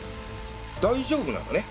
大丈夫なのね？